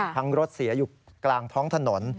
รถเสียอยู่กลางท้องถนน